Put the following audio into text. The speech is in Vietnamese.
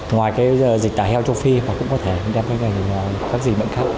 ngoài cái dịch tả heo châu phi mà cũng có thể đem cái gì